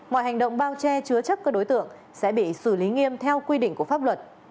mọi hành động bao che chứa chấp các đối tượng sẽ bị xử lý nghiêm theo quy định của pháp luật